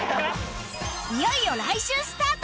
いよいよ来週スタート！